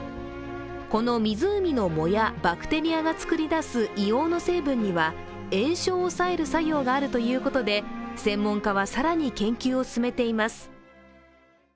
この湖の藻やバクテリアが作り出す硫黄の成分には炎症を抑える作用があるということで専門家は更に研究を進めています。